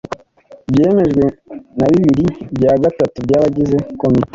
byemejwe na bibiri bya gatatu by abagize komite